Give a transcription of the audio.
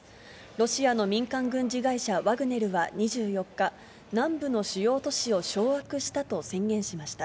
ロシアの民間軍事会社、ワグネルは２４日、南部の主要都市を掌握したと宣言しました。